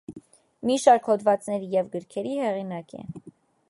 Մի շարք հոդվածների և գրքերի հեղինակ է։